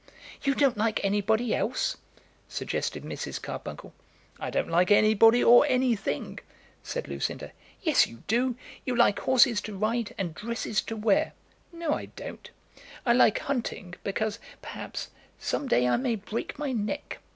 "You don't like anybody else?" suggested Mrs. Carbuncle. "I don't like anybody or anything," said Lucinda. "Yes, you do; you like horses to ride, and dresses to wear." "No, I don't. I like hunting because, perhaps, some day I may break my neck.